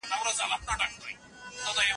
موږ بايد د سياست په اړه علمي بحث وکړو.